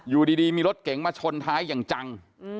อยู่ดีมีรถเก๋งมาชนท้ายอย่างจัง